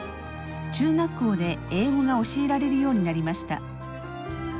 中学校で英語が教えられるようになりました。